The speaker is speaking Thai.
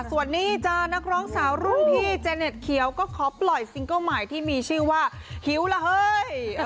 ส่วนนี้จ้านักร้องสาวรุ่นพี่เจเน็ตเขียวก็ขอปล่อยซิงเกิ้ลใหม่ที่มีชื่อว่าหิวละเฮ้ย